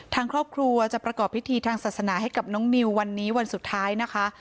ทางครอบครัวจะประกอบพิธีทางศาสนาให้กับน้องนิววันนี้วันสุดท้ายนะคะ